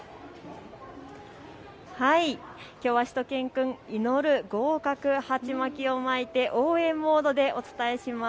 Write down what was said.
きょうはしゅと犬くん、祈合格鉢巻きを巻いて応援モードでお伝えします。